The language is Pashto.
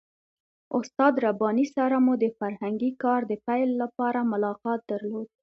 استاد رباني سره مو د فرهنګي کار د پیل لپاره ملاقات درلود.